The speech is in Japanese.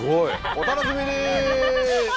お楽しみに。